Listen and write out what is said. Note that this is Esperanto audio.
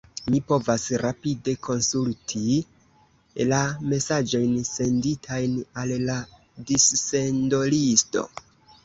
Mi povas rapide konsulti la mesaĝojn senditajn al la dissendolisto...